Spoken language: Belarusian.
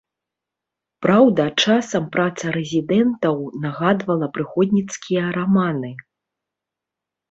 Праўда, часам праца рэзідэнтаў нагадвала прыгодніцкія раманы.